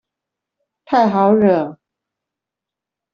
太好惹